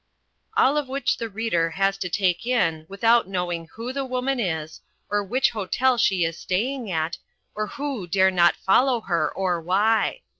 All of which the reader has to take in without knowing who the woman is, or which hotel she is staying at, or who dare not follow her or why.